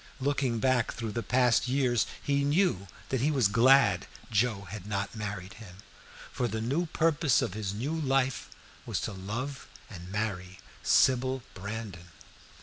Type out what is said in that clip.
Looking back through the past years he knew that he was glad Joe had not married him, for the new purpose of his new life was to love and marry Sybil Brandon.